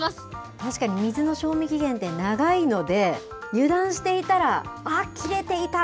確かに水の賞味期限って長いので、油断していたら、あっ、